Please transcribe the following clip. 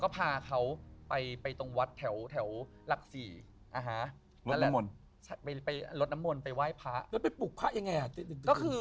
แล้วไปปลูกพระยังไง